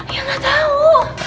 ya gak tau